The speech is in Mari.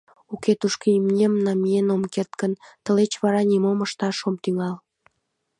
Уке, тушко имнем намиен ом керт гын, тылеч вара нимом ышташ ом тӱҥал...